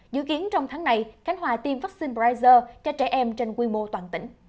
dự kiến trong tháng này khánh hòa tiêm vaccine pfizer cho trẻ em trên quy mô toàn tỉnh